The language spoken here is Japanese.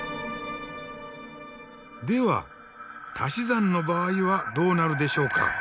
ではたし算の場合はどうなるでしょうか。